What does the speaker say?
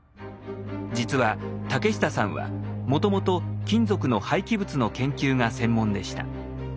実は竹下さんはもともと金属の廃棄物の研究が専門でした。